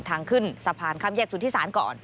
ทางขึ้นสะพานคำแยกสุดที่สานก่อน